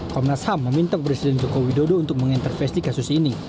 komnas ham meminta presiden joko widodo untuk mengintervesi kasus ini